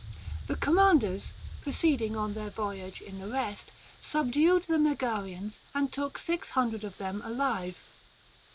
The commanders, proceeding on their voyage in the rest, subdued the Megarians, and took six hundred of them alive.